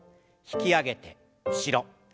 引き上げて後ろ。